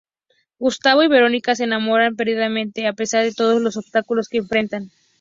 Gustavo y Verónica se enamoran perdidamente a pesar de todos los obstáculos que enfrentan.